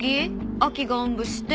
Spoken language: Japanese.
亜希がおんぶして。